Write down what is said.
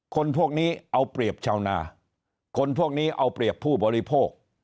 คนพวกนี้เอาเปรียบชาวนาคนพวกนี้เอาเปรียบผู้บริโภค